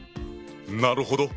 なるほど！